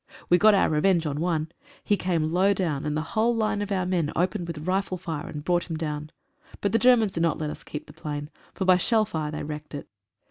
We got our revenge on one. He came low down, and the whole line of our men opened with rifle fire and brought him down. But the Germans did not let u. ; keep the plane, for by shell fire they wrecked it.